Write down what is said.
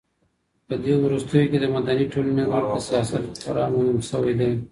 په دې وروستیو کې د مدني ټولنې رول په سیاست کې خورا مهم سویدی.